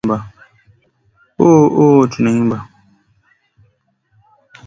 Ooooo ooh tunaimba